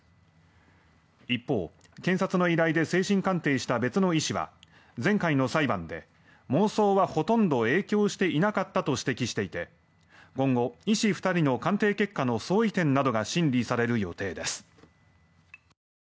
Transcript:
一方、検察の依頼で精神鑑定した別の医師は前回の裁判で妄想はほとんど影響していなかったと指摘していて今後、医師２人の鑑定結果の相違点などが審理される予定です。